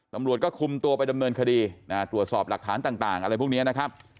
ตำรวจก็คุมตัวไปดำเนินคดีตรวจสอบหลักฐานต่างอะไรพวกนี้นะครับ